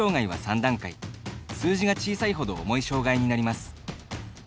数字が小さいほど重い障がいになります。